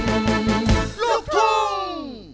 เลี่ยนเลี่ยน